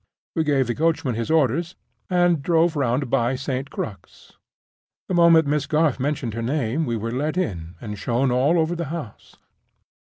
We gave the coachman his orders, and drove round by St. Crux. The moment Miss Garth mentioned her name we were let in, and shown all over the house.